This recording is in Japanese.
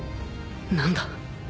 何だ？